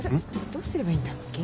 どうすればいいんだっけ？